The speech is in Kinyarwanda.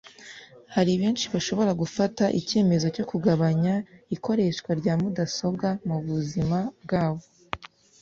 Hari benshi bashobora gufata icyemezo cyo kugabanya ikoreshwa rya mudasobwa mu buzima bwabo